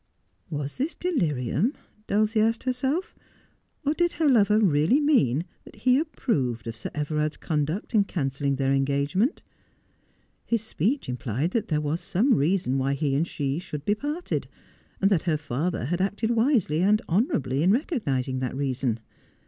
Was this delirium 1 Dulcie asked herself ; or did her lover really mean that he approved of Sir Everard's conduct in can celling their engagement ? His speech implied that there was some reason why he and she should lie parted, and that her father had acted wisely and honourably in recognising that reason.